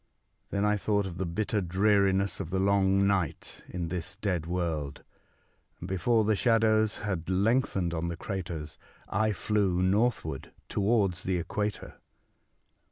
Then I thought of the bitter dreariness of the long night in this dead world; and before the shadows had lengthened on the craters I flew northward towards the equator.